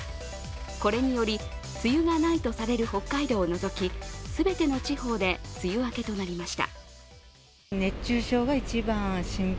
これにより梅雨がないとされる北海道を除き全ての地方で梅雨明けとなりました。